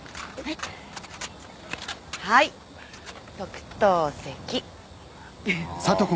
はい特等席。